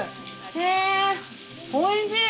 えぇおいしい！